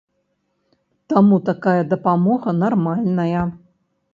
Таму такая дапамога нармальная.